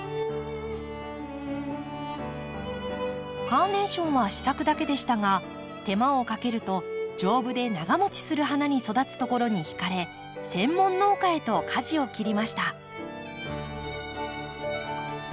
カーネーションは試作だけでしたが手間をかけると丈夫で長もちする花に育つところに惹かれ専門農家へとかじを切りました。